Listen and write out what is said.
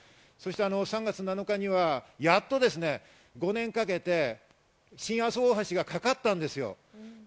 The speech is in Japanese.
３月７日には、やっと５年かけて新阿蘇大橋がかかったわけです。